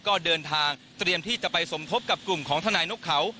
ก็เดินทางเตรียมที่จะไปสมทบกับกลุ่มของทนายนกเขา